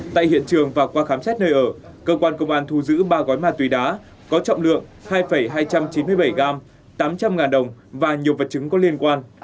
tại hiện trường và qua khám xét nơi ở cơ quan công an thu giữ ba gói ma túy đá có trọng lượng hai hai trăm chín mươi bảy gram tám trăm linh ngàn đồng và nhiều vật chứng có liên quan